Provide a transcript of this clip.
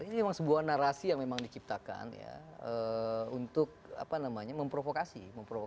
ini memang sebuah narasi yang memang diciptakan ya untuk memprovokasi